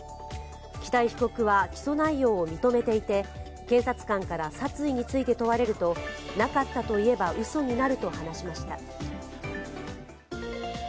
北井被告は起訴内容を認めていて検察官から殺意について問われると、なかったと言えばうそになると話しました。